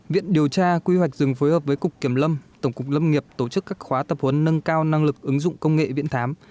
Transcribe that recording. viện điều tra quy hoạch rừng phối hợp với cục kiểm lâm tổng cục lâm nghiệp tổ chức các khóa tập huấn nâng cao năng lực ứng dụng công nghệ viễn thám